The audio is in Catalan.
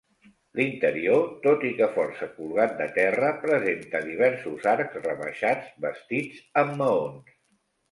L'interior, tot i que força colgat de terra, presenta diversos arcs rebaixats bastits amb maons.